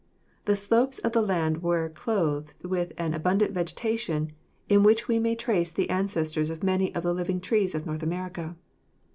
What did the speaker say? The slopes of the land were clothed with an abun dant vegetation, in which we may trace the ancestors of many of the living trees of North America.